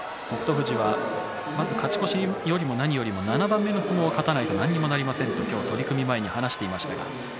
富士はまず勝ち越しよりも何よりも７番目の相撲を勝たないと何にもなりませんと取組前に話していました。